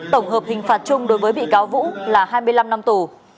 tổng hợp hình phạt chung đối với bị cáo vũ là hai mươi năm năm tù